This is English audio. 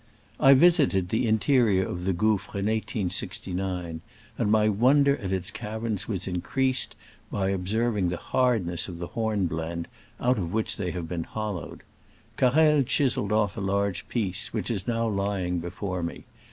I visited the interior of the gouffre in 1869, and my wonder at its caverns was increased by observing the hardness of the hornblende out of which they have been hollowed. Carrel chiseled off a large piece, which is now lying before me.